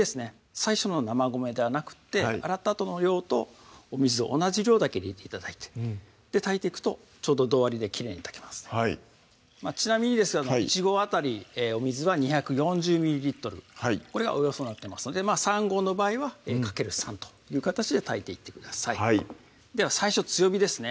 最初の生米ではなくって洗ったあとの量とお水を同じ量だけ入れて頂いて炊いていくとちょうど同割りできれいに炊けますちなみにですけど１合あたりお水は２４０これがおよそになってますので３合の場合は×３という形で炊いていってくださいでは最初強火ですね